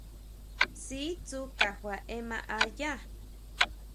Sí tsú kajua ema a yá.